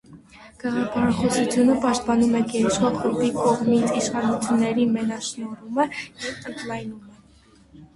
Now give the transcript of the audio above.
Գաղափարախոսությունը պաշտպանում է գերիշխող խմբի կողմից իշխանությունների մենաշնորհումը կամ ընդլայնումը։